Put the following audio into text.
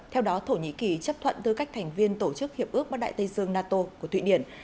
theo đó thổ nhĩ kỳ chấp thuận tư cách thành viên tổ chức hiệp ước bắc đại tây dương nato của thụy điển